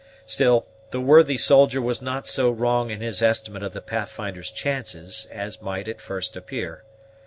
Still, the worthy soldier was not so wrong in his estimate of the Pathfinder's chances as might at first appear.